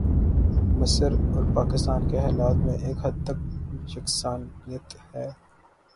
مصر اور پاکستان کے حالات میں ایک حد تک یکسانیت ہے۔